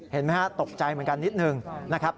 เห็นไหมฮะตกใจเหมือนกันนิดนึงนะครับ